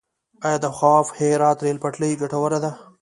آیا د خواف - هرات ریل پټلۍ ګټوره ده؟